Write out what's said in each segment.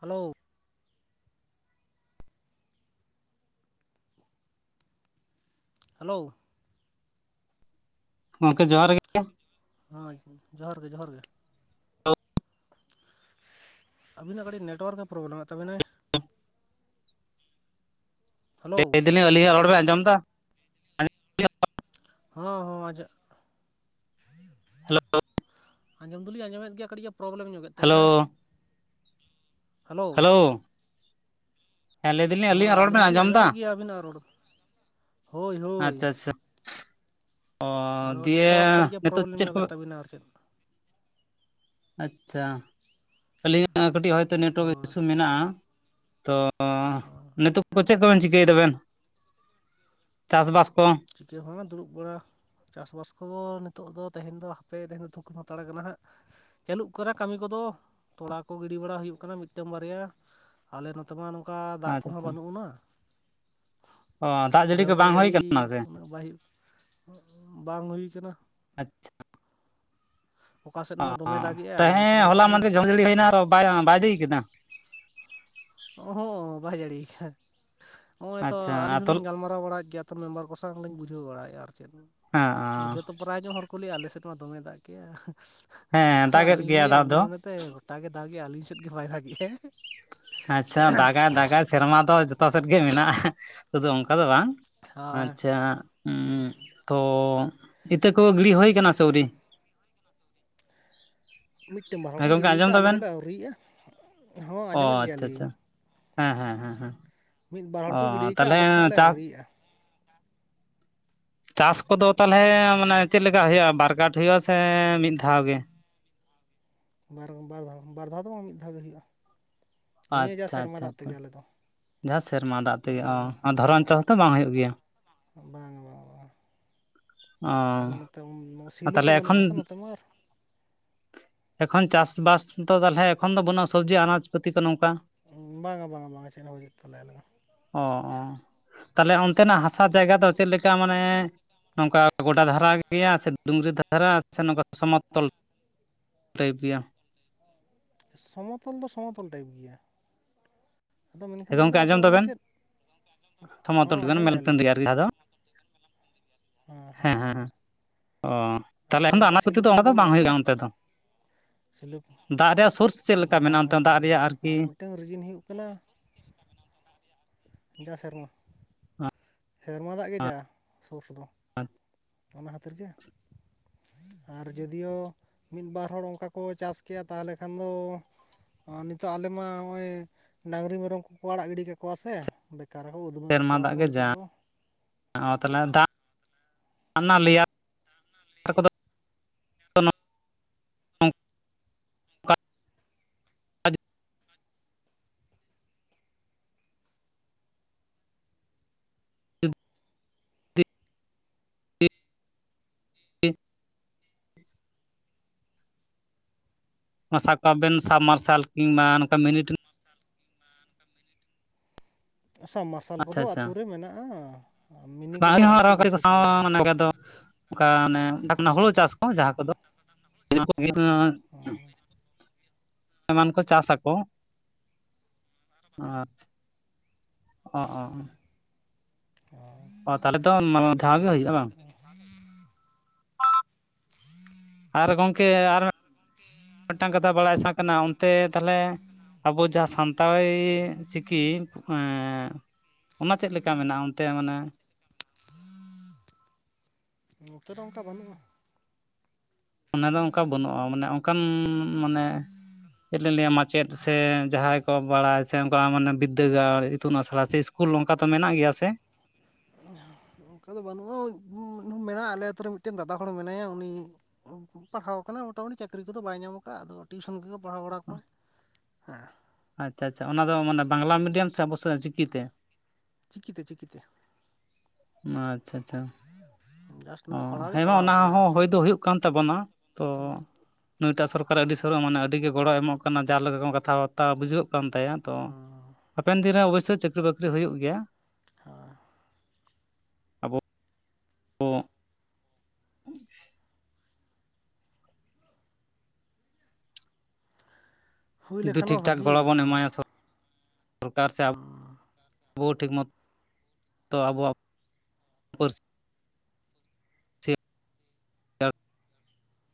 Hello hello ᱜᱚᱢᱠᱮ ᱡᱚᱦᱟᱨ ᱜᱮ ᱦᱮᱸ ᱡᱚᱦᱟᱨ ᱜᱮ ᱡᱚᱦᱟᱨ ᱜᱮ ᱟᱹᱵᱤᱱᱟᱜ ᱠᱟᱹᱴᱤᱡ ᱱᱮᱴᱣᱟᱨᱠ ᱮ ᱯᱨᱚᱵᱞᱮᱢᱮᱫ ᱛᱟᱵᱤᱱᱟᱭ ᱦᱮᱞᱳ ᱞᱟᱹᱭ ᱫᱤᱧᱤᱧ ᱟᱞᱤᱧᱟᱹᱜ ᱨᱚᱲ ᱵᱮᱱ ᱟᱸᱡᱚᱢ ᱫᱟ ᱦᱚᱸ ᱦᱚᱸ ᱟᱡᱟᱜ ᱦᱮᱞᱳ ᱟᱸᱡᱚᱢ ᱫᱚᱞᱤᱧ ᱟᱸᱡᱚᱢᱮᱫ ᱜᱮᱭᱟ ᱠᱟᱹᱴᱤᱡ ᱮ ᱯᱨᱚᱵᱞᱮᱢ ᱧᱚᱜ ᱦᱮᱞᱳ ᱦᱮᱞᱳ ᱦᱮᱸ ᱞᱟᱹᱭ ᱫᱟᱞᱤᱧ ᱦᱚᱸ ᱟᱹᱞᱤᱧᱟᱜ ᱨᱚᱲ ᱟᱹᱞᱤᱧ ᱵᱮᱱ ᱫᱚᱞᱤᱧ ᱟᱸᱡᱚᱢ ᱮᱫᱟ? ᱟᱸᱡᱚᱢᱮᱫ ᱜᱮᱭᱟ ᱟᱹᱵᱤᱱᱟᱜ ᱨᱚᱲ ᱦᱳᱭ ᱦᱳᱭ ᱟᱪᱪᱷᱟ ᱟᱪᱪᱷᱟ ᱚ ᱟᱫᱚ ᱫᱤᱭᱮ ᱱᱮᱴᱳᱣᱟᱨᱠ ᱠᱟᱹᱴᱤᱡ ᱜᱮ ᱱᱤᱛᱚᱜ ᱯᱨᱚᱵᱞᱮᱢ ᱪᱮᱫ ᱠᱚ ᱧᱚᱜᱮᱫ ᱛᱟᱹᱵᱤᱱᱟ ᱟᱨ ᱪᱮᱫ ᱟᱪᱪᱷᱟ ᱟᱹᱞᱤᱧᱟᱜ ᱠᱟᱹᱴᱤᱡ ᱦᱚᱭᱛᱚ ᱱᱮᱴᱣᱟᱨᱠ ᱦᱳᱭ ᱤᱥᱩ ᱢᱮᱱᱟᱜ-ᱟ ᱚ ᱱᱤᱛᱚᱜ ᱠᱚ ᱪᱮᱫ ᱠᱚᱵᱮᱱ ᱪᱤᱠᱟᱹᱭᱮ ᱫᱟᱵᱮᱱ ᱪᱟᱥᱵᱟᱥ ᱠᱚ ᱪᱤᱠᱟᱹ ᱦᱚᱸᱵᱟᱝ ᱫᱩᱲᱩᱵ ᱵᱟᱲᱟ ᱪᱟᱥᱵᱟᱥ ᱠᱚᱫᱚ ᱱᱤᱛᱚᱜ ᱫᱚ ᱛᱮᱦᱮᱧ ᱫᱚ ᱦᱟᱯᱮ ᱛᱮᱦᱮᱧ ᱫᱚ ᱛᱷᱩᱠᱟᱹᱢ ᱦᱟᱛᱟᱲ ᱠᱟᱱᱟ ᱦᱟᱸᱜ ᱪᱟᱹᱞᱩᱜ ᱠᱟᱱᱟ ᱠᱟᱹᱢᱤ ᱠᱚᱫᱚ ᱛᱚᱲᱟ ᱠᱚ ᱜᱤᱲᱤ ᱵᱟᱲᱟ ᱦᱩᱭᱩᱜ ᱠᱟᱱᱟ ᱢᱤᱫᱴᱟᱝ ᱵᱟᱨᱭᱟ ᱟᱞᱮ ᱱᱚᱛᱮ ᱢᱟ ᱱᱚᱝᱠᱟ ᱫᱟᱜ ᱟᱪᱪᱷᱟ ᱠᱚᱦᱚᱸ ᱟᱪᱪᱷᱟ ᱵᱟᱹᱱᱩᱜ ᱟᱱᱟ ᱚ ᱫᱟᱜ ᱡᱟᱹᱲᱤ ᱠᱚ ᱡᱷᱟᱹᱣᱢᱟᱹᱨ ᱵᱟᱝ ᱦᱩᱭ ᱟᱠᱟᱱᱟ ᱡᱟᱹᱲᱤ ᱥᱮ ᱩᱱᱟᱹᱜ ᱵᱟᱭ ᱦᱩᱭᱩᱜ ᱵᱟᱝ ᱦᱩᱭᱠᱟᱱᱟ ᱚᱠᱟ ᱥᱮᱫ ᱢᱟ ᱚᱸ ᱫᱚᱢᱮ ᱟᱸ ᱫᱟᱜᱮᱜᱼᱟ ᱟᱞᱮ ᱱᱚᱛᱮ ᱛᱟᱦᱮᱸ ᱢᱟ ᱦᱚᱞᱟ ᱩᱠᱩᱨ ᱢᱟᱫᱷᱮᱨ ᱡᱷᱚᱢᱚᱨ ᱡᱷᱟᱹᱲᱤ ᱦᱩᱭᱱᱟ ᱵᱟᱭ ᱞᱟᱹᱭ ᱠᱮᱫᱟ ᱚ ᱦᱚᱸ ᱵᱟᱭ ᱡᱟᱹᱲᱤᱭᱟ ᱠᱟᱫᱟ ᱱᱚᱜ-ᱚᱭ ᱛᱚ ᱟᱪᱪᱷᱟ ᱟᱹᱞᱤᱧ ᱛᱚᱞ ᱦᱚᱸᱞᱤᱧ ᱜᱟᱞᱢᱟᱨᱟᱣ ᱠᱚᱨᱟᱣ ᱵᱟᱲᱟᱭ ᱜᱮᱭᱟ ᱛᱚ ᱢᱮᱢᱵᱟᱨ ᱠᱚ ᱥᱟᱶ ᱦᱚᱸ ᱞᱤᱧ ᱵᱩᱡᱷᱟᱹᱣ ᱵᱟᱲᱟᱭᱟ ᱟᱨ ᱪᱮᱫ ᱦᱮᱸ ᱵᱩᱡᱷᱟᱹᱣ ᱛᱚ ᱯᱮᱨᱟᱭ ᱦᱚᱲ ᱠᱩᱞᱤ ᱟᱞᱮ ᱥᱮᱫ ᱢᱟ ᱫᱚᱢᱮ ᱫᱟᱜ ᱠᱮᱭᱟ ᱦᱮᱸ ᱟᱫᱚ ᱫᱟᱜ ᱮᱫ ᱟᱹᱞᱤᱧ ᱜᱮᱭᱟ ᱞᱟᱹᱭᱟ ᱫᱟᱜ ᱢᱚᱱᱮ ᱫᱚ ᱢᱚᱱᱮᱛᱮ ᱜᱚᱴᱟ ᱜᱮ ᱫᱟᱜ ᱮᱫᱟᱭ ᱟᱹᱞᱤᱧ ᱥᱮᱫ ᱜᱮ ᱵᱟᱭ ᱫᱟᱜᱮᱜ-ᱟ ᱟᱪᱪᱷᱟ ᱫᱟᱜᱟᱭ ᱫᱟᱜᱟᱭ ᱥᱮᱨᱢᱟ ᱫᱚ ᱡᱚᱛᱚ ᱥᱮᱫ ᱜᱮ ᱢᱮᱱᱟᱜ-ᱟ ᱥᱩᱫᱩ ᱚᱱᱠᱟ ᱫᱚ ᱵᱟᱝ ᱟᱨ ᱟᱪᱪᱷᱟ ᱛᱚ ᱤᱛᱟᱹ ᱠᱚ ᱜᱤᱲᱤ ᱦᱩᱭ ᱠᱟᱱᱟ ᱥᱮ ᱟᱣᱨᱤ ᱢᱤᱫᱴᱮᱱ ᱵᱟᱨ ᱦᱚᱸ ᱦᱮᱸ ᱠᱚ ᱜᱚᱝᱠᱮ ᱜᱤᱰᱤᱭ ᱟᱸᱡᱚᱢ ᱟᱠᱟᱫ-ᱟ ᱟᱞᱮ ᱫᱟᱵᱮᱱ ᱫᱚᱞᱮ ᱟᱹᱣᱨᱤᱭᱮᱫ-ᱟ ᱦᱚᱸ ᱚ ᱟᱸᱡᱚᱢᱮᱫ ᱜᱮᱭᱟ ᱟᱪᱪᱷᱟ ᱟᱪᱪᱷᱟ ᱦᱮᱸ ᱦᱮᱸ ᱦᱮᱸ ᱢᱤᱫ ᱵᱟᱨ ᱦᱚᱲ ᱚ ᱠᱚ ᱜᱤᱰᱤᱠᱟᱫ ᱛᱟᱦᱚᱞᱮ ᱟᱞᱮ ᱫᱚ ᱦᱟᱸᱜ ᱞᱮ ᱪᱟᱥ ᱟᱹᱣᱨᱤᱜ-ᱟ ᱪᱟᱥ ᱠᱚᱫᱚ ᱛᱟᱦᱚᱞᱮ ᱢᱟᱱᱮ ᱪᱮᱫ ᱞᱮᱠᱟ ᱦᱩᱭᱩᱜ-ᱟ ᱵᱟᱨ ᱠᱟᱴ ᱦᱩᱭᱩᱜ-ᱟ ᱥᱮ ᱢᱤᱫ ᱫᱷᱟᱣ ᱜᱮ ᱵᱟᱨ ᱵᱟᱨ ᱫᱷᱟᱣ ᱵᱟᱨ ᱫᱷᱟᱣ ᱫᱚ ᱵᱟᱝ ᱢᱤᱫ ᱫᱷᱟᱣ ᱜᱮ ᱦᱩᱭᱩᱜ-ᱟ ᱱᱤᱭᱟᱹ ᱡᱟ ᱟᱪᱪᱷᱟ ᱥᱮᱨᱢᱟ ᱟᱪᱪᱷᱟ ᱫᱟᱜ ᱟᱪᱪᱷᱟ ᱛᱮᱜᱮ ᱟᱞᱮ ᱫᱚ ᱡᱟᱦᱟᱸ ᱥᱮᱨᱢᱟ ᱫᱟᱜ ᱛᱮᱜᱮ ᱚ ᱫᱷᱚᱨᱚᱱ ᱪᱟᱥ ᱫᱚ ᱵᱟᱝ ᱦᱩᱭᱩᱜ ᱜᱮᱭᱟ ᱵᱟᱝ ᱵᱟᱝ-ᱟ ᱚ [unintelligible] ᱛᱟᱦᱚᱞᱮ ᱵᱟᱹᱱᱩᱜ ᱮᱠᱷᱚᱱ ᱟᱥᱮ ᱱᱚᱛᱮ ᱢᱟ ᱟᱨ ᱮᱠᱷᱚᱱ ᱪᱟᱥᱵᱟᱥ ᱫᱚ ᱛᱟᱦᱚᱞᱮ ᱮᱠᱷᱚᱱ ᱫᱚ ᱵᱟᱹᱱᱩᱜ-ᱟ ᱥᱚᱵᱽᱡᱤ ᱟᱱᱟᱡ ᱯᱟᱹᱛᱤ ᱠᱚ ᱱᱚᱝᱠᱟ ᱵᱟᱝᱟ ᱵᱟᱝᱟ ᱵᱟᱝᱟ ᱪᱮᱫ ᱦᱚᱸ ᱵᱟᱹᱪᱩᱜ ᱛᱟᱞᱮᱭᱟ ᱟᱞᱮ ᱫᱚ ᱚᱻᱚ ᱛᱟᱦᱚᱞᱮ ᱚᱱᱛᱮᱱᱟᱜ ᱦᱟᱥᱟ ᱡᱟᱭᱜᱟ ᱫᱚ ᱪᱮᱫ ᱞᱮᱠᱟ ᱢᱟᱱᱮ ᱱᱚᱝᱠᱟ ᱜᱚᱰᱟ ᱫᱷᱟᱨᱟ ᱜᱮᱭᱟ ᱥᱮ ᱥᱤᱛᱩᱝᱨᱤ ᱫᱷᱟᱨᱟ ᱟᱪᱪᱷᱟ ᱱᱚᱝᱠᱟ ᱥᱚᱢᱛᱚᱞ ᱴᱟᱤᱯ ᱜᱮᱭᱟ ᱥᱚᱢᱚᱛᱚᱞ ᱫᱚ ᱥᱚᱢᱚᱛᱚᱞ ᱴᱟᱭᱤᱯ ᱜᱮᱭᱟ ᱟᱫᱚ ᱢᱮᱱᱠᱷᱟᱱ ᱦᱮᱸ ᱱᱚᱰᱮ ᱜᱚᱝᱠᱮ ᱟᱫᱚ ᱟᱸᱡᱚᱢ ᱚᱱᱮ ᱫᱟᱵᱮᱱ ᱪᱮᱫ ᱦᱚᱸ ᱥᱚᱢᱚᱛᱚᱞ ᱜᱮ ᱢᱮᱞ ᱟᱸᱡᱚᱢᱮᱫ-ᱟ ᱴᱟᱺᱰᱤ ᱞᱤᱧ ᱜᱮᱭᱟ ᱟᱨᱠᱤ ᱡᱟᱦᱟᱸ ᱫᱚ ᱦᱮᱸ ᱦᱮᱸ ᱚ ᱟᱫᱚ ᱛᱟᱦᱞᱮ ᱮᱠᱷᱚᱱ ᱟᱱᱟᱡ ᱯᱟᱛᱤ ᱥᱤᱞᱩ ᱫᱚ ᱠᱚᱫᱚ ᱚᱱᱠᱟ ᱫᱚ ᱵᱟᱹᱱᱩᱜ ᱠᱟᱝ ᱦᱩᱭᱩᱜ-ᱟ ᱟᱥᱮ ᱚᱱᱛᱮ ᱫᱚ ᱥᱤᱞᱩ ᱫᱟᱜ ᱨᱮᱭᱟᱜ ᱥᱳᱨᱥ ᱪᱮᱫᱞᱮᱠᱟ ᱵᱟᱝ ᱢᱮᱱᱟᱜ-ᱟ ᱚᱱᱛᱮ ᱦᱩᱭᱩᱜ ᱫᱟᱜ ᱜᱮᱭᱟ ᱨᱮᱭᱟᱜ ᱟᱨᱠᱤ ᱟᱨ ᱢᱤᱫᱴᱟᱝ ᱨᱮᱡᱤᱱ ᱦᱩᱭᱩᱜ ᱠᱟᱱᱟ ᱡᱟ ᱥᱮᱨᱢᱟ ᱥᱮᱨᱢᱟ ᱫᱟᱜ ᱜᱮ ᱡᱟ ᱥᱳᱨᱥ ᱫᱚ ᱚᱱᱟ ᱠᱷᱟᱹᱛᱤᱨ ᱜᱮ ᱟᱨ ᱡᱳᱫᱤᱭᱳ ᱢᱤᱫ ᱵᱟᱨ ᱦᱚᱲ ᱚᱱᱠᱟ ᱠᱚ ᱪᱟᱥ ᱠᱮᱜᱼᱟ ᱛᱟᱦᱚᱞᱮ ᱠᱷᱟᱱ ᱫᱚ ᱱᱤᱛᱚᱜ ᱟᱞᱮ ᱢᱟ ᱱᱚᱜᱼᱚᱭ ᱰᱟᱝᱨᱤ ᱢᱮᱨᱚᱢ ᱠᱚᱠᱚ ᱟᱲᱟᱜ ᱜᱤᱰᱤ ᱠᱟᱠᱚᱣᱟ ᱥᱮ ᱵᱮᱠᱟᱨ ᱦᱚᱸ ᱩᱫᱢᱟᱹ ᱥᱮᱨᱢᱟ ᱠᱟᱠᱚᱣᱟ ᱫᱟᱜ ᱠᱚ ᱜᱮ ᱡᱟ ᱱᱤᱛᱚᱜ ᱫᱚ ᱟᱱᱟ ᱞᱮᱭᱟ ᱱᱟᱞᱤ ᱚᱱᱠᱟ ᱡᱩᱫᱤ [unintelligible] ᱥᱟᱵᱠᱟᱜ ᱵᱮᱱ ᱥᱟᱵ ᱢᱟᱨᱥᱟᱞ ᱠᱤᱝᱵᱟ ᱱᱚᱝᱠᱟ ᱢᱤᱱᱤᱴ ᱾ ᱟᱥᱟᱢ ᱢᱟᱥ ᱾ ᱛᱳᱞ ᱟᱪᱪᱷᱟ ᱠᱚᱫᱚ ᱟᱪᱪᱷᱟ ᱟᱛᱳ ᱨᱮ ᱢᱮᱱᱟᱜᱼᱟ ᱢᱤᱱᱤ ᱵᱟᱝ ᱠᱚᱫᱚ ᱟᱹᱞᱤᱧ ᱦᱚᱸ ᱟᱹᱣᱨᱤ ᱠᱚ ᱟᱨᱚ ᱠᱟᱹᱴᱤᱡ ᱵᱟᱹᱭᱥᱟᱹᱣ ᱥᱟᱶ ᱛᱟᱞᱮᱭᱟ ᱾ ᱢᱟᱱᱮ ᱫᱚ ᱚᱱᱠᱟ ᱚᱱᱮ ᱦᱩᱲᱩ ᱪᱟᱥ ᱠᱚ ᱡᱟᱦᱟᱸ ᱠᱚᱫᱚ ᱾ ᱮᱢᱟᱱ ᱠᱚ ᱪᱟᱥ ᱟᱠᱚ ᱟᱨ ᱾ ᱚ [inaudible] ᱟᱨ [inaudible] ᱚ ᱛᱟᱦᱮ ᱫᱚ ᱫᱷᱟᱹᱣ ᱜᱮ ᱦᱩᱸᱭᱩᱜᱼᱟ ᱵᱟᱝ ᱾ [unintelligible] ᱟᱨ ᱜᱚᱢᱠᱮ ᱟᱨ ᱢᱤᱫᱴᱟᱱ ᱠᱟᱛᱷᱟ ᱵᱟᱲᱟᱭ ᱥᱟᱱᱟ ᱠᱟᱱᱟ ᱚᱱᱛᱮ ᱛᱟᱦᱚᱞᱮ ᱾ ᱟᱵᱚ ᱡᱟᱦᱟᱸ ᱥᱟᱱᱛᱟᱲᱤ ᱪᱤᱠᱤ ᱮ ᱾ ᱚᱱᱟ ᱪᱮᱫ ᱞᱮᱠᱟ ᱢᱮᱱᱟᱜᱼᱟ ᱚᱱᱛᱮ ᱢᱟᱱᱮ ᱱᱟᱛᱮ ᱫᱚ ᱚᱱᱠᱟ ᱵᱟᱹᱱᱩᱜᱼᱟ ᱚᱱᱟ ᱫᱚ ᱚᱱᱠᱟ ᱵᱟᱹᱱᱩᱜᱼᱟ ᱢᱟᱱᱮ ᱚᱱᱠᱟᱱ ᱢᱟᱱᱮ ᱪᱮᱫ ᱞᱤᱧ ᱞᱟᱹᱭᱟ ᱢᱟ ᱪᱮᱫ ᱥᱮ ᱡᱟᱦᱟᱸᱭ ᱠᱚ ᱵᱟᱲᱟᱭ ᱥᱮ ᱚᱱᱠᱟ ᱢᱟᱱᱮ ᱵᱤᱫᱽᱫᱟᱹᱜᱟᱲ ᱤᱛᱩᱱ ᱟᱥᱲᱟ ᱥᱮ ᱾ ᱥᱠᱩᱞ ᱠᱚᱝᱠᱟ ᱛᱚ ᱢᱮᱱᱟᱜ ᱜᱮᱸᱭᱟ ᱥᱮ ᱾ ᱚᱱᱠᱟ ᱫᱚ ᱵᱟᱹᱱᱩᱜᱼᱟ ᱢᱮᱱᱟᱜᱼᱟ ᱟᱞᱮ ᱟᱛᱳ ᱨᱮ ᱢᱤᱫ ᱴᱮᱱ ᱫᱟᱫᱟ ᱦᱚᱲ ᱢᱮᱱᱟᱭᱟ ᱩᱱᱤ ᱾ ᱯᱟᱲᱦᱟᱣ ᱠᱟᱱᱟ ᱢᱳᱴᱟᱢᱩᱴᱤ ᱪᱟᱹᱠᱨᱤ ᱠᱚ ᱫᱚ ᱵᱟᱭ ᱧᱟᱢ ᱟᱠᱟᱼᱟ ᱟᱫᱚ ᱾ ᱴᱤᱩᱥᱚᱱ ᱠᱚᱜᱮ ᱯᱟᱲᱦᱟᱣ ᱵᱟᱲᱟ ᱠᱚᱣᱟᱭ ᱦᱮᱸ ᱾ ᱟᱪᱷᱟ ᱟᱪᱷᱟ, ᱚᱱᱟ ᱫᱚ ᱢᱟᱱᱮ ᱵᱟᱝᱞᱟ ᱢᱤᱰᱤᱭᱚᱢ ᱥᱮ ᱟᱵᱚ ᱥᱮᱫ ᱪᱤᱠᱤ ᱛᱮ? ᱪᱤᱠᱤ ᱛᱮ ᱪᱤᱠᱤ ᱛᱮ ᱾ ᱟᱪᱷᱟ ᱟᱪᱷᱟ ᱾ [unintelligible] ᱚ ᱯᱟᱲᱦᱟᱣ ᱜᱮ ᱦᱮᱸᱢᱟ ᱯᱟᱲᱦᱟᱣ ᱚᱱᱟ ᱠᱟᱱᱟᱭ ᱟᱨ ᱦᱚᱸ ᱪᱮᱫ ᱦᱩᱭ ᱫᱚ ᱦᱩᱭᱩᱜ ᱠᱟᱱ ᱛᱟᱵᱚᱱᱟ ᱛᱚ ᱾ ᱱᱩᱭᱴᱟᱜ ᱥᱚᱨᱠᱟᱨ ᱟᱹᱰᱤ ᱥᱟᱹᱨᱟ ᱢᱟᱱᱮ ᱟᱹᱰᱤ ᱜᱮ ᱜᱚᱲᱚ ᱮᱢᱚᱜ ᱠᱟᱱᱟ ᱡᱮ ᱞᱮᱠᱟ ᱠᱟᱛᱷᱟ ᱵᱟᱛᱟᱣ ᱵᱩᱡᱷᱟᱹᱜ ᱠᱟᱱ ᱛᱟᱭᱟ ᱾ ᱛᱚ ᱦᱟᱯᱮᱱ ᱫᱤᱱ ᱨᱮ ᱚᱵᱚᱥᱥᱳᱭ ᱪᱟᱹᱠᱨᱤ ᱵᱟᱹᱠᱨᱤ ᱦᱩᱭᱩᱜ ᱜᱮᱸᱭᱟ ᱾ [unintelligible] ᱟᱵᱚ [inaudible] ᱦᱩᱭ ᱡᱩᱫᱤ ᱞᱮᱠᱷᱟᱱ ᱢᱟ ᱴᱷᱤᱠ ᱴᱷᱟᱠ ᱵᱷᱟᱹᱜᱤ ᱜᱚᱲᱚ ᱵᱚᱱ ᱠᱚᱜᱼᱟ ᱮᱢᱟᱭᱟ ᱥᱚᱨᱠᱟᱨ ᱥᱮ ᱟᱵᱚ ᱾ ᱟᱵᱚ ᱴᱷᱤᱠ ᱢᱚᱛᱚ ᱛᱚ ᱟᱵᱚᱣᱟᱜ ᱯᱟᱹᱨᱥᱤ ᱾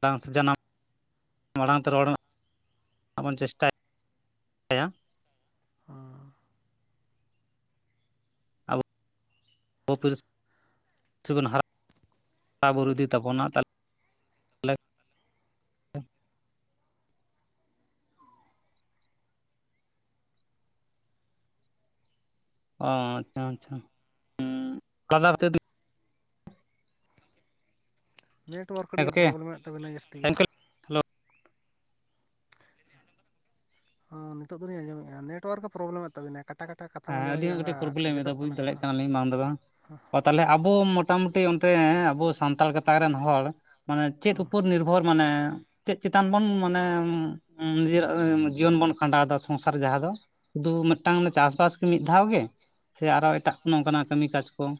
ᱴᱟᱱ ᱡᱟᱱᱟᱢ ᱢᱟᱲᱟᱝ ᱛᱮ ᱨᱚᱲ ᱢᱮ ᱾ ᱟᱵᱚᱱ ᱪᱮᱥᱴᱟᱭᱟ ᱾ [unintelligible] ᱟᱵᱚ [unintelligible] ᱦᱟ ᱵᱩᱨᱩ ᱤᱫᱤ ᱛᱵᱚᱱᱟ ᱛᱚᱞᱮ ᱚ ᱟᱪᱷᱟ ᱟᱪᱷᱟ [unintelligible] ᱱᱮᱴᱣᱟᱨᱠ ᱠᱟᱹᱴᱤᱡ ᱦᱮᱸ ᱮᱫ ᱜᱚᱢᱠᱮ ᱯᱨᱚᱵᱞᱮᱢ ᱮᱫ ᱛᱟᱵᱤᱱᱟ ᱡᱟᱹᱥᱛᱤ ᱜᱮ ᱾ ᱦᱮᱞᱳ ᱱᱤᱛᱳᱜ ᱫᱚᱞᱤᱧ ᱟᱸᱡᱚᱢᱮᱫᱼᱟ ᱱᱮᱴᱣᱟᱨᱠ ᱯᱨᱚᱵᱞᱮᱢ ᱮᱫ ᱛᱟᱵᱤᱱᱟ ᱠᱟᱴᱤᱡ ᱾ ᱮᱴᱟ ᱠᱟᱴᱟ ᱠᱟᱛᱷᱟ ᱦᱮᱸ ᱢᱟᱡᱮ ᱢᱟᱡᱷᱮ ᱟᱹᱞᱤᱧᱟᱜ ᱚᱱᱠᱟ ᱠᱟᱹᱴᱤᱡ ᱯᱨᱚᱵᱞᱮᱢ ᱜᱮ ᱮᱫᱟ ᱫᱚᱜ ᱵᱩᱡᱽ ᱠᱟᱱᱟ ᱫᱟᱲᱮᱭᱟᱜ ᱠᱟᱛᱷᱟ ᱾ ᱠᱟᱱᱟᱞᱤᱧ ᱵᱟᱝ ᱫᱚ ᱵᱟᱝ ᱚ ᱛᱟᱦᱚᱞᱮ ᱟᱵᱚ ᱢᱚᱴᱟ ᱢᱩᱴᱩ ᱚᱱᱛᱮ ᱟᱵᱚ ᱥᱟᱱᱛᱟᱲ ᱜᱟᱛᱟᱠ ᱨᱮᱱ ᱦᱚᱲ ᱢᱟᱱᱮ ᱪᱮᱫ ᱩᱯᱚᱨ ᱱᱤᱨᱵᱷᱚᱨ ᱾ ᱦᱚ ᱢᱟᱱᱮ ᱪᱮᱫ ᱪᱮᱛᱟᱱ ᱵᱚᱱ ᱢᱟᱱᱮ ᱱᱤᱡᱮ ᱨᱟᱜ ᱡᱤᱭᱚᱱ ᱵᱚᱱ ᱾ ᱠᱷᱟᱸᱰᱟᱣ ᱫᱟ ᱥᱚᱝᱥᱟᱨ ᱡᱟᱦᱟᱸ ᱫᱚ ᱩᱫᱩ ᱢᱤᱫᱴᱟᱝ ᱪᱟᱥ ᱵᱟᱥ ᱾ ᱢᱤᱫ ᱫᱷᱟᱹᱣ ᱜᱮ ᱥᱮ ᱟᱨᱚ ᱮᱴᱟᱜ ᱱᱚᱝᱠᱟᱱᱟᱜ ᱠᱟᱹᱢᱤ ᱠᱟᱡᱽ ᱠᱚ ᱾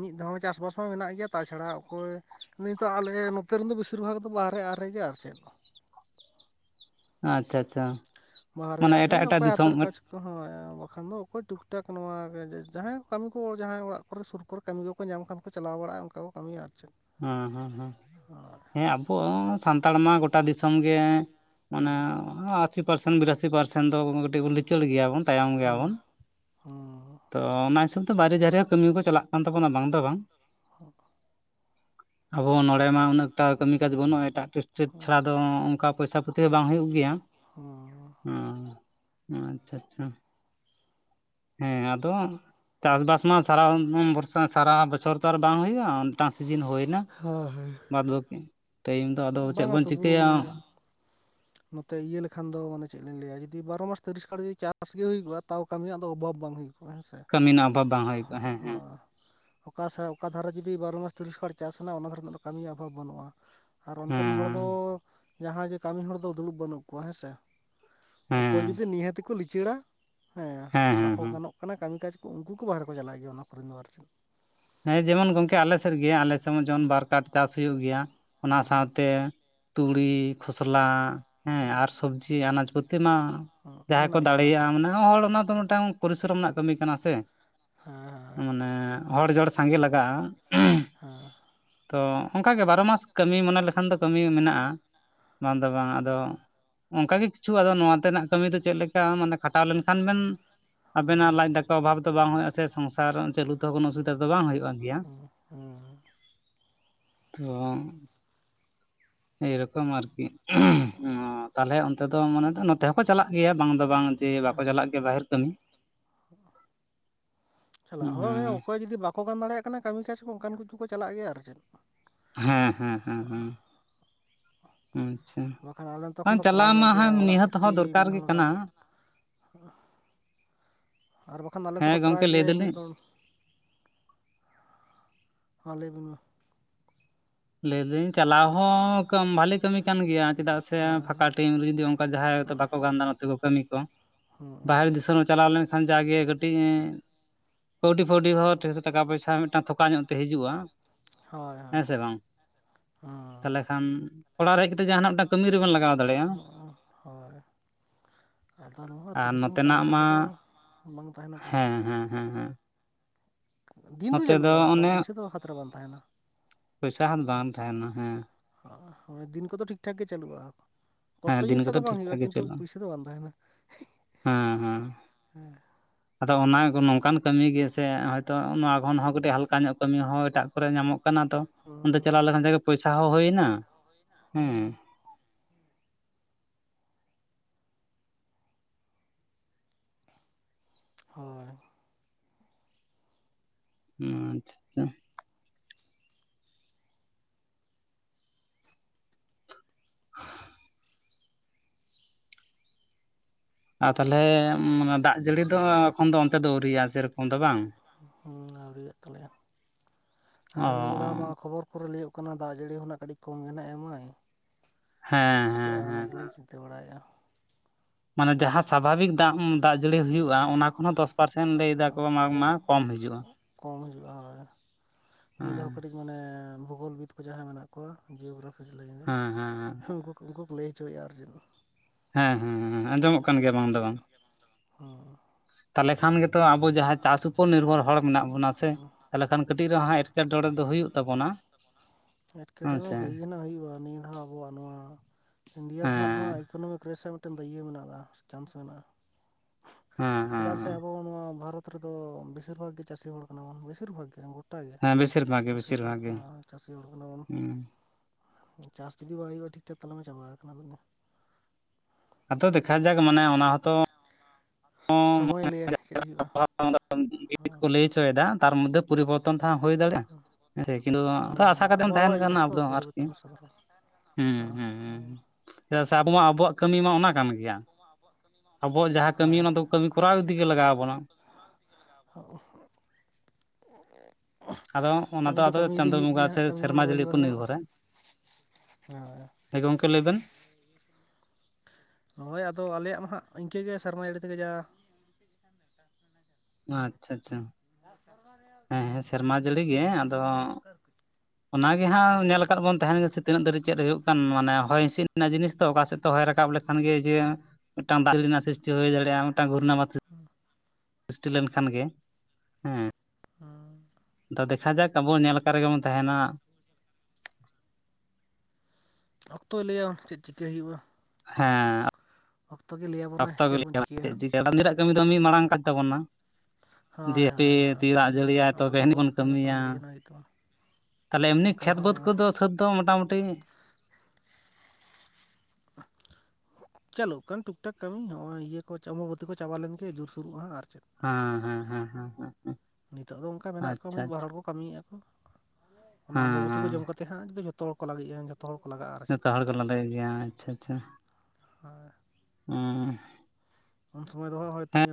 ᱢᱤᱫ ᱫᱷᱟᱣ ᱪᱟᱥᱵᱟᱥ ᱢᱟ ᱦᱚᱸ ᱢᱮᱱᱟᱜ ᱜᱮᱸᱭᱟ ᱛᱟᱪᱷᱟᱲᱟ ᱚᱠᱚᱭ ᱱᱤᱛᱚᱜ ᱟᱞᱮ ᱱᱚᱛᱮ ᱨᱮᱱ ᱫᱚ ᱵᱮᱥᱤᱨ ᱵᱷᱟᱜᱽ ᱫᱚ ᱵᱟᱨᱦᱮ ᱟᱨᱦᱮ ᱜᱮ ᱟᱨ ᱪᱮᱫ ᱾ ᱟᱪᱷᱟ ᱪᱷᱟ ᱾ ᱵᱟᱦᱮ ᱟᱨᱮ ᱚᱠᱚᱭ ᱟᱛᱮᱨ ᱠᱟᱡᱽ ᱾ ᱠᱚ ᱦᱚ ᱵᱟᱠᱷᱟᱱ ᱫᱚ ᱚᱠᱚᱭ ᱴᱩᱠᱴᱟᱠ ᱱᱚᱣᱟ ᱡᱟᱦᱟᱸᱭ ᱠᱟᱹᱢᱤ ᱠᱚ ᱡᱟᱦᱟᱸᱭ ᱚᱲᱟᱜ ᱠᱚᱨᱮ ᱥᱩᱨ ᱠᱚᱨᱮ ᱠᱟᱹᱢᱤ ᱠᱚᱠᱚ ᱧᱟᱢ ᱠᱷᱟᱱ ᱠᱚ ᱪᱟᱞᱟᱣ ᱵᱟᱲᱟᱜᱼᱟ ᱚᱱᱠᱟ ᱠᱚ ᱠᱟᱹᱢᱤᱭᱟᱹ ᱟᱨ ᱪᱮᱫ ᱦᱩᱸ ᱦᱩᱸ ᱦᱩᱸ ᱦᱮᱸ ᱟᱵᱚ ᱥᱟᱱᱛᱟᱲ ᱢᱟ ᱜᱚᱴᱟ ᱫᱤᱥᱚᱢ ᱜᱮ ᱢᱟᱱᱮ ᱟᱥᱤ ᱯᱟᱨᱥᱮᱱ ᱵᱤᱨᱟᱥᱤ ᱯᱟᱨᱥᱮᱱ ᱫᱚ ᱠᱟᱹᱴᱤᱡ ᱵᱚᱱ ᱞᱤᱪᱟᱹᱲ ᱜᱮᱭᱟᱵᱚᱱ ᱛᱟᱭᱚᱢ ᱦᱮᱸ ᱜᱮᱭᱟᱵᱚᱱ ᱦᱮᱸ ᱾ ᱛᱚ ᱚᱱᱟ ᱦᱤᱥᱟᱹᱵᱽ ᱛᱮ ᱵᱟᱭᱨᱮ ᱡᱟᱭᱨᱮ ᱠᱟᱹᱢᱤ ᱠᱚᱠᱚ ᱪᱟᱞᱟᱜ ᱠᱟᱱ ᱛᱟᱵᱚᱱᱟ ᱵᱟᱝ ᱫᱚ ᱵᱟᱝ [unintelligible] ᱟᱵᱚ ᱱᱚᱸᱰᱮ ᱢᱟ ᱩᱱᱟᱹᱜᱴᱟ ᱠᱟᱹᱢᱤ ᱠᱟᱡ ᱵᱟᱹᱱᱩᱜᱼᱟ ᱮᱴᱟᱜ ᱴᱮ ᱪᱟᱹᱛ ᱪᱷᱟᱲᱟ ᱫᱚ ᱚᱱᱠᱟ ᱯᱚᱭᱥᱟ ᱯᱩᱛᱤ ᱦᱚᱸ ᱵᱟᱝ ᱦᱩᱭᱩᱜ ᱜᱮᱭᱟ ᱦᱩᱸ ᱩ ᱟᱪᱪᱷᱟ ᱟᱪᱪᱷᱟ ᱦᱮᱸ ᱟᱫᱚ ᱪᱟᱥᱵᱟᱥ ᱢᱟ ᱥᱟᱨᱟ ᱵᱚᱨᱥᱟ ᱥᱟᱨᱟ ᱵᱚᱪᱷᱚᱨ ᱛᱚ ᱟᱨ ᱵᱟᱝ ᱦᱩᱭᱩᱜᱼᱟ। ᱴᱟᱝ ᱥᱤᱡᱤᱱ ᱦᱩᱭ ᱱᱟ ᱦᱳᱭ ᱦᱳᱭ ᱵᱟᱫᱽ ᱵᱟᱹᱠᱤ ᱴᱟᱭᱤᱢ ᱫᱚ ᱟᱫᱚ ᱪᱮᱫ ᱵᱟᱝᱟ ᱵᱚᱱ ᱛᱚᱵᱩ ᱪᱤᱠᱟᱹᱭᱟ। ᱢᱟᱱᱮ [inaudible] ᱱᱚᱛᱮ ᱤᱭᱟᱹ ᱞᱮᱠᱷᱟᱱ ᱫᱚ ᱢᱟᱱᱮ ᱪᱮᱫ ᱞᱤᱧ ᱞᱟᱹᱭᱟ ᱡᱩᱫᱤ ᱵᱟᱨᱚ ᱢᱟᱥ ᱛᱤᱨᱤᱥ ᱠᱟᱲᱤ ᱪᱟᱥ ᱜᱮ ᱦᱩᱭ ᱠᱚᱜᱼᱟ ᱛᱟᱣ ᱠᱟᱹᱢᱤᱭᱟᱜ ᱫᱚ ᱚᱵᱷᱟᱵᱽ ᱵᱟᱝ ᱦᱩᱭᱩᱜᱼᱟ। ᱠᱟᱹᱢᱤ ᱨᱮᱸᱱᱟᱜ ᱚᱵᱷᱟᱵᱽ ᱵᱟᱝ ᱦᱩᱭᱼᱟ ᱦᱮᱸ ᱦᱮᱸ ᱾ ᱦᱳᱭ ᱚᱠᱟ ᱥᱮ ᱚᱠᱟ ᱫᱷᱟᱨᱮ ᱡᱩᱫᱤ ᱵᱟᱨᱚ ᱢᱟᱥ ᱛᱤᱨᱤᱥ ᱠᱟᱲ ᱪᱟᱥ ᱦᱮᱱᱟᱜ ᱟ ᱚᱱᱟ ᱫᱷᱟᱨᱮ ᱨᱮᱱᱟᱜ ᱫᱚ ᱠᱟᱹᱢᱤ ᱚᱵᱷᱟᱵᱽ ᱵᱟᱹᱱᱩᱜᱼᱟ। ᱟᱨ ᱦᱮᱸ ᱚᱱᱛᱮᱱ ᱦᱚᱲ ᱫᱚ ᱡᱟᱦᱟ ᱜᱮ ᱠᱟᱹᱢᱤ ᱦᱚᱲ ᱫᱚ ᱫᱩᱲᱩᱵ ᱵᱟᱹᱱᱩᱜ ᱠᱚᱣᱟ ᱦᱮᱸ ᱥᱮ, ᱚᱠᱚᱭ ᱦᱮᱸ ᱡᱩᱫᱤ ᱱᱤᱦᱟᱹᱛᱤ ᱠᱚ ᱞᱤᱪᱟᱹᱲᱟ ᱦᱮᱸ ᱵᱟᱠᱚ ᱜᱟᱱᱚᱜ ᱠᱟᱱᱟ ᱠᱟᱹᱢᱤ ᱠᱟᱡᱽ ᱠᱚ ᱩᱱᱠᱩ ᱠᱚ ᱵᱟᱨᱦᱮ ᱠᱚ ᱪᱟᱞᱟᱜ ᱜᱮᱭᱟ ᱚᱱᱟ ᱠᱚᱨᱮᱱ ᱫᱚ ᱟᱨ ᱪᱮᱫ। ᱦᱮᱸ ᱡᱮᱢᱚᱱ ᱜᱚᱢᱠᱮ ᱟᱞᱮ ᱥᱮᱫ ᱜᱮ ᱟᱞᱮ ᱥᱮᱫ ᱢᱟ ᱡᱮᱢᱚᱱ ᱵᱟᱨ ᱠᱟᱴ ᱪᱟᱥ ᱦᱩᱭᱩᱜ ᱜᱮᱭᱟ ᱚᱱᱟ ᱦᱮᱸ ᱥᱟᱶᱛᱮ, ᱛᱩᱲᱤ ᱠᱷᱚᱥᱞᱟ ᱦᱮᱸ ᱟᱨ ᱥᱚᱵᱽᱡᱤ ᱟᱱᱟᱡᱽᱯᱟᱹᱛᱤ ᱢᱟ, ᱦᱮᱸ ᱡᱟᱦᱟᱸ ᱠᱚ ᱢᱮᱱᱟᱜ ᱜᱮᱭᱟ ᱚᱱᱟ ᱫᱟᱲᱮᱭᱟᱜᱼᱟ ᱢᱟᱱᱮ ᱦᱚᱲ ᱚᱱᱟ ᱫᱚ ᱢᱤᱫᱴᱟᱝ ᱯᱚᱨᱤᱥᱨᱚᱢ ᱨᱮᱱᱟᱜ ᱠᱟᱹᱢᱤ ᱠᱟᱱᱟ ᱥᱮ। ᱦᱮᱸ ᱢᱟᱱᱮ ᱦᱚᱲ ᱡᱚᱲ ᱥᱟᱸᱜᱮ ᱞᱟᱜᱟᱜᱼᱟ। [unintelligible] ᱛᱚ ᱚᱱᱠᱟᱜᱮ ᱵᱟᱨᱚ ᱢᱟᱥ ᱠᱟᱹᱢᱤ ᱢᱚᱱᱮ ᱞᱮᱠᱷᱟᱱ ᱫᱚ ᱠᱟᱹᱢᱤ ᱢᱮᱱᱟᱜᱼᱟ। ᱵᱟᱝ ᱫᱚ ᱵᱟᱝ ᱟᱫᱚ ᱚᱱᱠᱟᱜᱮ ᱠᱤᱪᱷᱩ ᱟᱫᱚ ᱱᱚᱣᱟ ᱛᱮᱱᱟᱜ ᱠᱟᱹᱢᱤ ᱫᱚ ᱪᱮᱫᱞᱮᱠᱟ ᱢᱟᱱᱮ ᱠᱷᱟᱴᱟᱣ ᱞᱮᱱᱠᱷᱟᱱ ᱵᱮᱱ ᱟᱵᱮᱱᱟᱜ ᱞᱟᱡ ᱫᱟᱠᱟ ᱚᱵᱷᱟᱵ ᱫᱚ ᱵᱟᱝ ᱦᱩᱭᱩᱜᱼᱟ ᱥᱮ ᱥᱚᱝᱥᱟᱨ ᱪᱞᱩ ᱛᱮᱦᱚᱸ ᱠᱚᱱᱳ ᱚᱥᱵᱤᱫᱷᱟ ᱫᱚ ᱵᱟᱝ ᱦᱩᱭᱩᱜᱼᱟ। [unintelligible] ᱛᱚ ᱮᱨᱚᱠᱚᱢ ᱟᱨᱠᱤ। [inaudible] ᱛᱟᱦᱚᱞᱮ ᱚᱱᱛᱮ ᱫᱚ ᱢᱟᱱᱮ ᱫᱚ ᱛᱮ ᱦᱚᱸᱠᱚ ᱪᱟᱞᱟᱜ ᱜᱮᱭᱟ ᱵᱟᱝ ᱫᱚ ᱵᱟᱝ ᱡᱮ ᱵᱟᱠᱚ ᱪᱟᱞᱟᱜ ᱜᱮᱭᱟ ᱵᱟᱦᱮᱨᱮ ᱠᱟᱹᱢᱤ, ᱪᱟᱞᱟᱜ ᱦᱚᱨ ᱨᱮ ᱦᱩᱸ, ᱚᱠᱟ ᱠᱚ ᱜᱟᱱ ᱫᱟᱲᱮᱭᱟᱜ ᱠᱟᱱᱟ ᱠᱟᱹᱢᱤ ᱠᱟᱡᱽ ᱠᱚ ᱚᱱᱠᱟᱱ ᱠᱚᱪᱠᱚ ᱪᱟᱞᱟᱜ ᱜᱮᱭᱟ ᱟᱨ ᱪᱮᱫ। ᱦᱮᱸ ᱦᱮᱸ ᱦᱮᱸ ᱦᱮᱸ, ᱟᱪᱪᱷᱟ ᱵᱟᱠᱷᱟᱱ ᱟᱞᱮ ᱱᱚᱛᱮ ᱵᱟᱝ ᱠᱷᱚᱱ ᱫᱚ ᱯᱨᱟᱭ ᱪᱟᱞᱟᱣ ᱢᱟ ᱧᱚᱜ ᱜᱮ ᱦᱟᱸᱜ ᱚᱲᱟᱜ ᱱᱤᱦᱟᱹᱛ ᱦᱚᱸ ᱯᱨᱚᱛᱤ ᱫᱚᱨᱠᱟᱨ ᱢᱤᱫ ᱜᱮ ᱦᱚᱲ ᱜᱟᱱ ᱠᱟᱱᱟ। [unintelligible] ᱟᱨ ᱵᱟᱠᱷᱟᱱ ᱟᱞᱮ ᱦᱮᱸ ᱛᱚ ᱜᱚᱝᱠᱮ ᱯᱮᱨᱟᱭ ᱞᱟᱹᱭ ᱜᱮ ᱢᱤᱫ ᱫᱟᱞᱤᱧ ᱫᱚᱢ। ᱦᱚᱸ ᱞᱟᱹᱭ ᱵᱤᱱ ᱢᱟ? ᱞᱟᱹᱭᱫᱟᱹᱧ ᱪᱟᱞᱟᱣ ᱦᱚᱸ ᱠᱟ. ᱢ ᱵᱷᱟᱞᱤ ᱠᱟᱹᱢᱤ ᱠᱟᱱ ᱜᱮᱭᱟ ᱪᱮᱫᱟᱜ ᱥᱮ ᱯᱷᱟᱸᱠᱟ ᱴᱟᱭᱤᱢ ᱨᱮ ᱡᱩᱫᱤ ᱡᱟᱦᱟᱸᱭ ᱦᱚᱭᱛᱚ ᱵᱟᱠᱚ ᱜᱟᱱᱫᱟ ᱱᱚᱛᱮ ᱠᱚ ᱠᱟᱹᱢᱤ ᱠᱚ ᱦᱩᱸ ᱵᱟᱦᱨᱮ ᱫᱤᱥᱚᱢ ᱨᱮ ᱪᱟᱞᱟᱣ ᱞᱮᱱᱠᱷᱟᱱ ᱠᱷᱟᱱ ᱡᱟᱜᱮ ᱠᱟᱹᱴᱤᱡ ᱠᱟᱹᱣᱰᱤ ᱯᱷᱟᱹᱣᱰᱤ ᱦᱚᱸ ᱴᱷᱤᱠᱷ ᱥᱟᱺᱦᱤᱡ ᱴᱟᱠᱟ ᱯᱚᱭᱥᱟ ᱢᱤᱫᱴᱟᱝ ᱛᱷᱚᱠᱟ ᱧᱚᱜ ᱛᱮ ᱦᱤᱡᱩᱜᱼᱟ ᱦᱮᱸ ᱥᱮ ᱵᱟᱝ। ᱟᱸ ᱛᱟᱦᱞᱮ ᱠᱷᱟᱱ ᱚᱲᱟᱜ ᱨᱮ ᱦᱮᱡ ᱠᱟᱛᱮᱜ ᱡᱟᱦᱟᱱᱟᱜ ᱢᱤᱫᱴᱟᱝ ᱠᱟᱹᱢᱤ ᱨᱮᱵᱮᱱ ᱞᱟᱜᱟᱣ ᱫᱟᱲᱮᱭᱟᱜᱼᱟ। ᱦᱳᱭ ᱟᱫᱚ ᱱᱚᱣᱟ ᱟᱹᱛᱩ ᱟᱨ ᱫᱤᱥᱚᱢ ᱠᱟᱹᱢᱤ ᱱᱚᱛᱮᱱᱟᱜ ᱢᱟ ᱠᱟᱛᱮ ᱫᱚ ᱵᱟᱝ ᱛᱟᱦᱮᱱᱟ ᱯᱩᱭᱥᱟᱹ ᱦᱮᱸ ᱦᱮᱸ ᱦᱮᱸ ᱦᱮ ᱫᱤᱱ ᱫᱚ ᱪᱟᱹᱞᱩᱜᱼᱟ ᱚᱱᱮ ᱯᱩᱭᱥᱟᱹ ᱫᱚ ᱦᱟᱛᱨᱮ ᱵᱟᱝ ᱛᱟᱦᱮᱱᱟ ᱯᱚᱭᱥᱟ ᱦᱟᱛ ᱵᱟᱝ ᱛᱟᱦᱮᱱᱟ ᱦᱮᱸ ᱟᱪᱪᱷᱟ। ᱫᱤᱱ ᱠᱚᱫᱚ ᱴᱷᱤᱠᱴᱷᱟᱠ ᱜᱮ ᱪᱟᱹᱞᱩᱜᱼᱟ। ᱦᱮᱸ ᱠᱚᱥᱴᱚ ᱫᱤᱱ ᱡᱤᱱᱤᱥᱴᱟᱜ ᱠᱚᱫᱚ ᱫᱚ ᱵᱟᱝ ᱴᱷᱤᱠ ᱴᱷᱟᱠ ᱦᱩᱭᱩᱜᱼᱟ ᱠᱤᱱᱛᱩ ᱯᱩᱭᱥᱟᱹ ᱫᱚ ᱵᱟᱝ ᱛᱟᱦᱮᱱᱟ। ᱦᱩᱸᱻ ᱦᱩᱸᱻ᱾ ᱟᱫᱚ ᱚᱱᱟ ᱱᱚᱝᱠᱟᱱ ᱠᱟᱹᱢᱤ ᱜᱮ ᱥᱮ ᱦᱚᱭᱛᱚ ᱱᱚᱣᱟ ᱠᱷᱚᱱ ᱦᱚᱸ ᱠᱟᱹᱴᱤᱡ ᱦᱟᱞᱠᱟ ᱧᱚᱜ ᱠᱟᱹᱢᱤ ᱦᱚᱸ ᱮᱴᱟᱜ ᱠᱚᱨᱮ ᱧᱟᱢᱚᱜ ᱠᱟᱱᱟ ᱛᱚ, ᱚᱱᱛᱮ ᱪᱟᱞᱟᱣ ᱞᱮᱠᱷᱟᱱ ᱡᱟᱜᱮ ᱯᱚᱭᱥᱟ ᱦᱚᱸ ᱦᱩᱭᱱᱟ ᱦᱮᱸ। ᱦᱳᱭ ᱼᱼ ᱟᱪᱪᱷᱟᱻ ᱟᱪᱪᱷᱟᱻ ᱾ [unintelligible] ᱟᱨ ᱛᱟᱞᱦᱮ ᱫᱟᱜ ᱡᱟᱹᱲᱤ ᱫᱚ ᱮᱠᱷᱚᱱ ᱫᱚ ᱚᱱᱛᱮ ᱫᱚ ᱟᱹᱣᱨᱤᱭᱟ ᱥᱮᱨᱚᱠᱚᱢ ᱫᱚ ᱵᱟᱝ? ᱟᱹᱣᱨᱤ ᱛᱟᱞᱮᱭᱟ ᱟᱨ ᱚ ᱱᱤᱭᱟᱹ ᱫᱷᱟᱹᱣ ᱢᱟ ᱠᱷᱚᱵᱚᱨ ᱼᱼ ᱠᱚᱨᱮ ᱞᱟᱹᱭᱚᱜ ᱠᱟᱱᱟ ᱫᱟᱜ ᱡᱟᱹᱲᱤ ᱠᱷᱚᱱᱟᱜ ᱠᱟᱹᱴᱤᱡ ᱠᱚᱢ ᱜᱮᱱᱮ ᱮᱢᱟᱭ ᱾ ᱪᱮᱫ ᱦᱮᱸ ᱦᱮᱸ ᱪᱤᱠᱟᱹᱜᱼᱟ ᱚᱱᱟ ᱦᱮᱸ ᱜᱮᱞᱤᱧ ᱪᱤᱱᱛᱟᱹ ᱵᱟᱲᱟᱭᱮᱜᱼᱟ ᱾ ᱢᱟᱱᱮ ᱟᱱᱮ ᱡᱟᱦᱟᱸ ᱥᱟᱵᱷᱟᱵᱤᱠ ᱫᱟᱜ ᱡᱟᱹᱲᱤ ᱦᱩᱭᱩᱜᱼᱟ ᱚᱱᱟ ᱠᱷᱚᱱ ᱦᱚᱸ ᱫᱚᱥ ᱯᱟᱨᱥᱮᱱ ᱞᱟᱹᱭ ᱫᱟᱠᱚ ᱵᱟᱝᱢᱟ ᱠᱚᱢ ᱦᱤᱡᱩᱜᱼᱟ [unintelligible] ᱠᱚᱢ ᱦᱤᱡᱩᱜᱼᱟ ᱾ [unintelligible] ᱢᱟᱱᱮ ᱵᱷᱩᱜᱳᱞ ᱵᱤᱫ ᱠᱚ ᱡᱟᱦᱟᱸᱭ ᱢᱮᱱᱟᱜ ᱠᱚᱣᱟ, ᱡᱤᱭᱳᱜᱨᱟᱯᱷᱤ ᱞᱟᱹᱭ ᱵᱤᱱ ᱦᱮᱸ ᱦᱮᱸ ᱩᱱᱠᱩ ᱩᱱᱠᱩ ᱠᱚ ᱞᱟᱹᱭ ᱦᱚᱪᱚᱭᱮᱜᱼᱟ ᱟᱨ ᱪᱮᱫ। ᱦᱮᱸᱻ ᱦᱮᱸᱻ ᱦᱮᱸᱻ ᱟᱸᱡᱚᱢᱚᱜ ᱠᱟᱱ ᱜᱮᱭᱟ ᱵᱟᱝ ᱚᱸᱻ᱾ ᱛᱟᱞᱮ ᱠᱷᱟᱱ ᱜᱮᱛᱚ ᱟᱵᱚ ᱡᱟᱦᱟᱸ ᱪᱟᱥ ᱩᱯᱚᱨ ᱱᱤᱨᱵᱷᱚᱨ ᱦᱚᱲ ᱢᱮᱱᱟᱜ ᱵᱚᱱᱟ ᱥᱮ, ᱛᱟᱞᱮ ᱠᱷᱟᱱ ᱠᱟᱹᱴᱤᱡ ᱨᱮᱦᱟᱸ ᱼᱼ ᱮᱴᱠᱮᱴᱚᱬᱮ ᱫᱚ ᱦᱩᱭᱩᱜ ᱛᱟᱵᱚᱱᱟ ᱾ ᱮᱸᱴᱠᱮᱴᱚᱬᱮ ᱦᱩᱭ ᱠᱟᱱᱟ ᱦᱩᱭᱩᱜᱼᱟ ᱱᱤᱭᱟᱹ ᱫᱷᱟᱹᱣ ᱟᱵᱚᱣᱟᱜ ᱱᱚᱣᱟ ᱼᱼ ᱤᱱᱰᱤᱭᱟ ᱦᱮᱸ ᱨᱮᱱᱤᱝ ᱮᱠᱳᱱᱚᱢᱤᱠ ᱨᱮᱥᱮᱤᱠᱳᱱᱚᱢ ᱫᱚ ᱢᱮᱱᱟᱜᱼᱟ ᱪᱟᱱᱥ ᱢᱮᱱᱟᱜᱼᱟ ᱾ ᱦᱮᱸ ᱦᱮᱸ ᱾ ᱥᱮ ᱟᱵᱚ ᱱᱚᱣᱟ ᱵᱷᱟᱨᱚᱛ ᱨᱮᱫᱚ ᱵᱮᱥᱤᱨ ᱵᱷᱟᱜᱽ ᱜᱮ ᱪᱟᱹᱥᱤ ᱦᱚᱲ ᱠᱟᱱᱟ ᱵᱚᱱ ᱵᱮᱥᱤᱨ ᱵᱷᱟᱜᱽ ᱜᱮ ᱾ ᱜᱚᱴᱟᱜ ᱜᱮ ᱦᱮᱸ ᱵᱮᱥᱤᱨ ᱵᱷᱟᱜᱽ ᱜᱮ ᱵᱤᱥᱤᱨ ᱵᱮᱥᱤᱨ ᱵᱷᱟᱜᱽ ᱜᱮ ᱪᱟᱹᱥᱤ ᱦᱚᱲ ᱠᱟᱱᱟᱵᱚᱱ ᱾ ᱦᱩᱸ ᱪᱟᱥ ᱡᱩᱫᱤ ᱵᱟᱭ ᱦᱩᱭᱩᱜᱼᱟ ᱴᱷᱤᱠ ᱴᱷᱟᱠ ᱛᱟᱞᱮᱵᱚ ᱪᱟᱵᱟ ᱟᱠᱟᱱᱟ ᱾ ᱟᱛᱚ ᱫᱮᱠᱷᱟ ᱡᱟᱠ ᱢᱟᱱᱮ ᱚᱱᱟ ᱦᱚᱸᱛᱚ ᱥᱚᱢᱚᱭᱮ ᱞᱟᱹᱭᱟ ᱪᱮᱫ ᱦᱩᱭᱩᱜᱼᱟ ᱦᱚᱸ ᱦᱚᱪᱚᱭᱫᱟ ᱛᱟᱨ ᱢᱚᱫᱽᱫᱷᱮ ᱯᱚᱨᱤᱵᱚᱨᱛᱚᱱ ᱛᱮᱦᱚ ᱦᱩᱭ ᱫᱟᱲᱮᱭᱟᱜᱼᱟ ᱾ ᱦᱚᱜᱚ ᱱᱚᱣᱟ ᱟᱵᱚᱦᱟᱣᱟ ᱡᱤᱱᱤᱥ ᱛᱚ ᱟᱵᱚ ᱫᱚ ᱟᱨᱠᱤ ᱯᱚᱨᱤᱵᱚᱨᱛᱚᱱ ᱥᱟᱲᱚᱼᱟ᱾ ᱦᱩᱸ ᱦᱩᱸ ᱦᱩᱸ ᱪᱮᱫᱟᱜ ᱥᱮ ᱟᱵᱚ ᱢᱟ ᱟᱵᱚᱣᱟᱜ ᱠᱟᱹᱢᱤ ᱢᱟ ᱚᱱᱟ ᱠᱟᱱ ᱼᱼ ᱟᱵᱚ ᱢᱟ ᱟᱵᱚᱣᱟᱜ ᱠᱟᱹᱢᱤ ᱢᱟ ᱚᱱᱟ ᱠᱟᱱ ᱾ ᱠᱟᱹᱢᱤ ᱚᱱᱟ ᱫᱚ ᱠᱟᱹᱢᱤ ᱠᱚᱨᱟᱣ ᱤᱫᱤᱜᱮ ᱞᱟᱜᱟᱣ ᱵᱚᱱᱟ ᱾ ᱦᱚᱜᱼᱚ ᱟᱫᱚ ᱚᱱᱟ ᱠᱟᱹᱢᱤ ᱫᱚ ᱟᱫᱚ ᱠᱟᱹᱢᱤ ᱤᱫᱤ ᱪᱟᱸᱫᱳ ᱦᱩᱭᱩᱜ ᱵᱚᱸᱜᱟ ᱜᱮᱭᱟ ᱥᱮ ᱥᱮᱨᱢᱟ ᱡᱟᱹᱲᱤ ᱩᱯᱟᱹᱨ ᱱᱤᱨᱵᱷᱚᱨᱟ ᱾ ᱦᱮᱸ ᱾ ᱦᱮᱸ ᱜᱚᱝᱠᱮ ᱞᱟᱹᱭ ᱵᱮᱱ? ᱦᱚᱜᱼᱚᱭ ᱟᱫᱚ ᱟᱞᱮᱭᱟᱜ ᱢᱟᱦᱟᱸᱜ ᱤᱱᱠᱟᱹᱜᱮ ᱥᱮᱨᱢᱟ ᱡᱟᱹᱲᱤ ᱛᱮᱜᱮ ᱡᱟ ᱼᱼ ᱟᱪᱪᱷᱟᱻ ᱟᱪᱪᱷᱟᱻ, ᱦᱮᱸᱻ ᱦᱮᱸᱻ ᱥᱮᱨᱢᱟ ᱡᱟᱹᱲᱤᱜ ᱜᱮ ᱟᱫᱚ ᱚᱱᱟᱜᱮ ᱦᱟᱸᱜ ᱧᱮᱞ ᱠᱟᱜ ᱵᱚᱱ ᱛᱟᱦᱮᱱ ᱜᱮ ᱥᱮ ᱛᱤᱱᱟᱹᱜ ᱫᱷᱟᱹᱨᱤᱡ ᱪᱮᱫ ᱦᱩᱭᱩᱜ ᱠᱟᱱ ᱢᱟᱱᱮ ᱦᱚᱭ ᱦᱤᱸᱥᱤᱫ ᱨᱮᱱᱟᱜ ᱡᱤᱱᱤᱥ ᱛᱚ ᱚᱠᱟᱥᱮᱫ ᱛᱚ ᱦᱚᱭ ᱨᱟᱠᱟᱵ ᱞᱮᱠᱷᱟᱱ ᱜᱮ ᱡᱮ, ᱢᱤᱫᱴᱟᱝ ᱫᱟᱜ ᱨᱮᱱᱟᱜ ᱥᱤᱥᱴᱤ ᱦᱩᱭ ᱫᱟᱲᱮᱭᱟᱜᱼᱟ, ᱢᱤᱫᱴᱟᱝ ᱜᱷᱩᱨᱱᱟ ᱵᱟ ᱼᱼ ᱦᱮᱸ ᱼᱼ ᱥᱤᱥᱴᱤ ᱞᱮᱱᱠᱷᱟᱱ ᱜᱮ ᱦᱮᱸ ᱾ ᱦᱮᱸ ᱼᱼ ᱫᱮᱠᱷᱟ ᱡᱟᱠ ᱟᱵᱚ ᱧᱮᱞ ᱟᱠᱟ ᱨᱮᱜᱮ ᱵᱚ ᱛᱟᱦᱮᱸᱱᱟ ᱾ ᱚᱠᱛᱚᱭ ᱞᱟᱹᱭᱟ ᱪᱮᱫ ᱪᱤᱠᱟᱹᱭ ᱦᱩᱭᱩᱜᱼᱟ ᱾ ᱦᱮᱸ ᱾ ᱚᱠᱛᱚ ᱜᱮ ᱞᱟᱹᱭ ᱼᱼ ᱚᱠᱛᱚ ᱜᱮ ᱞᱟᱹᱭᱟ ᱪᱮᱫ [unintelligible] ᱢᱟᱲᱟᱝ ᱠᱟᱱ ᱛᱟᱵᱚᱱᱟ ᱾ ᱦᱟᱸᱜ ᱡᱮ ᱦᱳᱭ ᱦᱟᱯᱮ ᱦᱳᱭ ᱦᱳᱭ ᱛᱤ ᱫᱟᱜ ᱡᱟᱹᱲᱤᱭᱟ ᱟᱵᱚ ᱛᱚᱵᱮ ᱫᱚ ᱦᱟᱱᱮᱡ ᱵᱚᱱ ᱟᱵᱚᱣᱟᱜ ᱠᱟᱹᱢᱤ ᱫᱚ ᱠᱟᱹᱢᱤ ᱠᱟᱹᱢᱤᱭᱟ ᱤᱫᱤ ᱾ ᱜᱮ ᱦᱩᱭᱩᱜ ᱛᱟᱵᱚᱱᱟ ᱛᱟᱞᱮ ᱮᱢᱱᱤ ᱚᱱᱠᱟ ᱫᱚ ᱠᱷᱮᱛ ᱵᱟᱹᱫᱽ ᱦᱟᱸᱜ ᱠᱚᱫᱚ ᱥᱟᱹᱫᱽ ᱫᱚ ᱢᱚᱴᱟᱢᱩᱴᱤ ᱼᱼ ᱪᱟᱹᱞᱩᱜ ᱠᱟᱱ ᱴᱩᱠ-ᱴᱟᱠ ᱠᱟᱹᱢᱤ ᱦᱚᱜᱼᱚᱭ ᱤᱭᱟᱹ ᱠᱚ ᱟᱢᱚᱵᱚᱛᱤ ᱠᱚ ᱪᱟᱵᱟ ᱞᱮᱱᱜᱮ ᱡᱳᱨ ᱥᱩᱨᱩᱜᱼᱟ ᱦᱟᱸᱜ ᱟᱨ ᱪᱮᱫ ᱾ ᱦᱮᱸ ᱦᱮᱸ ᱦᱮᱸ ᱦᱮᱸ ᱾ ᱱᱤᱛᱚᱜ ᱫᱚ ᱚᱱᱠᱟ ᱢᱮᱱᱟᱜ ᱠᱚᱣᱟ ᱢᱤᱫ ᱵᱟᱨ ᱦᱚᱲᱠᱚ ᱠᱟᱹᱢᱤᱭᱮᱜᱼᱟ ᱠᱚ ᱚᱱᱟ ᱦᱮᱸ ᱟᱢᱟᱵᱚᱛᱤ ᱠᱚ ᱦᱮᱸ ᱡᱚᱢ ᱼᱼ ᱛᱮ ᱦᱟᱸᱜ ᱡᱚᱛᱚ ᱦᱚᱲ ᱠᱚ ᱞᱟᱜᱤᱜᱼᱟ ᱡᱚᱛᱚ ᱦᱚᱲ ᱠᱚ ᱞᱟᱜᱟᱜᱼᱟ ᱟᱞᱮ ᱥᱮᱫ ᱡᱚᱛᱚ ᱾ ᱦᱚᱲ ᱠᱚ ᱞᱟᱸᱫᱟᱭᱮᱫ ᱜᱮᱭᱟ ᱟᱪᱪᱷᱟ ᱟᱨ ᱼᱼ ᱦᱩᱸ ᱩᱱ ᱥᱚᱢᱚᱭ ᱫᱚ ᱦᱚᱭᱛᱚ ᱧᱮᱞ ᱢᱮ